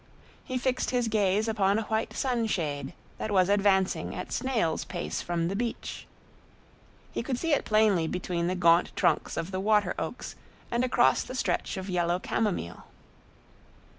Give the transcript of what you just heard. He fixed his gaze upon a white sunshade that was advancing at snail's pace from the beach. He could see it plainly between the gaunt trunks of the water oaks and across the stretch of yellow camomile.